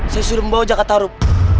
saya suruh membawa jakarta rup